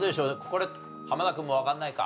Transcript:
これ濱田君もわかんないか。